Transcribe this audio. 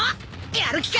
やる気か？